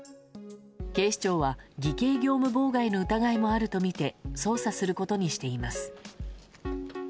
警視庁は偽計業務妨害の疑いもあるとみて捜査することにしています。